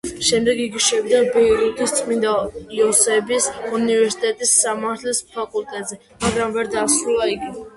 შემდეგ იგი შევიდა ბეირუთის წმინდა იოსების უნივერსიტეტის სამართლის ფაკულტეტზე, მაგრამ ვერ დაასრულა იგი.